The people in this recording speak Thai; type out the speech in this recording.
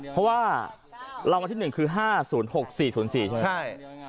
เพราะว่ารางวัลที่หนึ่งคือห้าศูนย์หกสี่ศูนย์สี่ใช่ไหมใช่